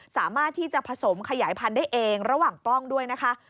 สามารถที่จะผสมขยายพันธุ์ได้เองระหว่างกล้องด้วยนะคะ